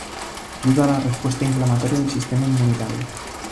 Ayuda a la respuesta inflamatoria del sistema inmunitario.